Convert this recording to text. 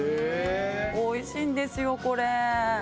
おいしいんですよこれ。